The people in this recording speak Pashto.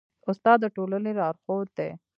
استاد د ټولني لارښود دی.